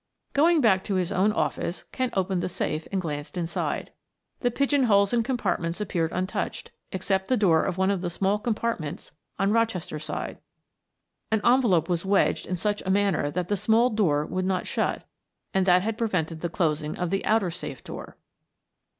Going back to his own office Kent opened the safe and glanced inside. The pigeon holes and compartments appeared untouched, except the door of one small compartment on Rochester's side. An envelope was wedged in such a manner that the small door would not shut and that had prevented the closing of the outer safe door.